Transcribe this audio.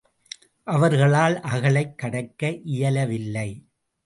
அவர்களால் அகழைக் கடக்க இயலவில்லை.